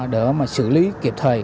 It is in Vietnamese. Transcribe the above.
để xử lý kịp thời